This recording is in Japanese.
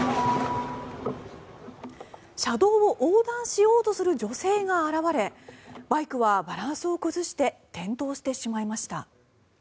車道を横断しようとする女性が現れバイクはバランスを崩して転倒してしまいました。